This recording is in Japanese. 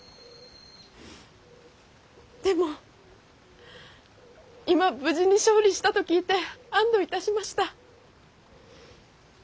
でも今無事に勝利したと聞いて安堵いたしました。